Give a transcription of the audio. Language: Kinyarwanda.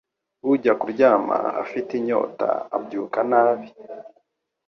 Ujya kuryama afite inyota abyuka nabi